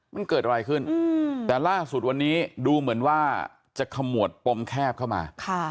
มันเกิดอะไรขึ้นแต่ล่าสุดวันนี้ดูเหมือนว่าจะขมวดปมแคบเข้ามา